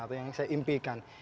atau yang saya impikan